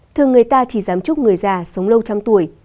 thường người ta chỉ dám chúc người già sống lâu trăm tuổi